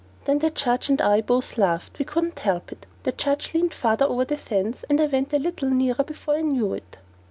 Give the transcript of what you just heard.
Then the judge and I both laughed. We couldn't help it. The judge leaned farther over the fence, and I went a little nearer before I knew it.